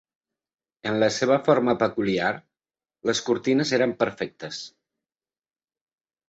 En la seva forma peculiar, les cortines eren perfectes.